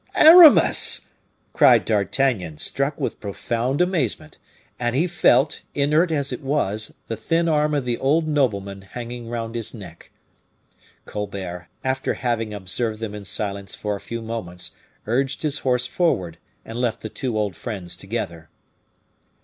"Aramis!" cried D'Artagnan, struck with profound amazement. And he felt, inert as it was, the thin arm of the old nobleman hanging round his neck. Colbert, after having observed them in silence for a few moments, urged his horse forward, and left the two old friends together.